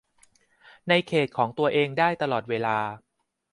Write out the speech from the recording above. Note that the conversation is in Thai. ในเขตของตัวเองได้ตลอดเวลา